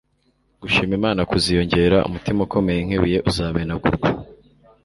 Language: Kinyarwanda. Gushima Imana kuziyongera. Umutima ukomeye nk'ibuye uzamenagurwa.